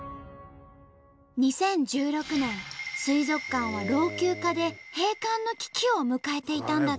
２０１６年水族館は老朽化で閉館の危機を迎えていたんだって。